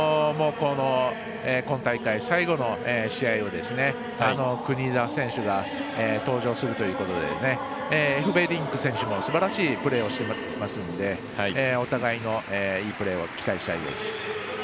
今大会最後の試合を国枝選手が登場するということでエフベリンク選手もすばらしいプレーをしてくるのでお互いのいいプレーを期待したいです。